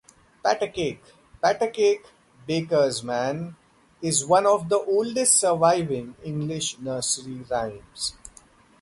"Pat-a-cake, pat-a-cake, baker's man" is one of the oldest surviving English nursery rhymes.